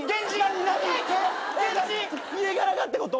家柄がってこと？